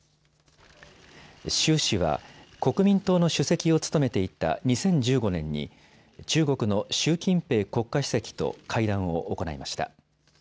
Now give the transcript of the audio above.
朱氏は国民党の主席を務めていた２０１５年に中国の習近平国家主席と会談を行いました。